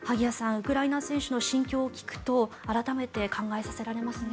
ウクライナ選手の心境を聞くと改めて考えさせられますね。